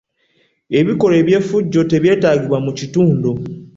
Ebikolwa by'effujjo tebyetaagibwa mu kitundu.